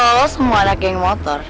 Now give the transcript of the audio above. kalau lo semua anak geng motor